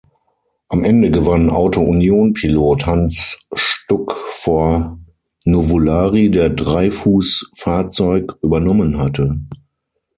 Am Ende gewann Auto-Union-Pilot Hans Stuck vor Nuvolari, der Dreyfus’ Fahrzeug übernommen hatte.